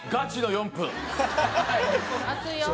熱いよ。